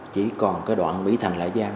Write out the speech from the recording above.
chỉ còn đoạn mỹ thành lãi giang